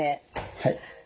はい。